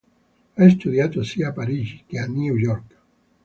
Ha studiato sia a Parigi che a New York.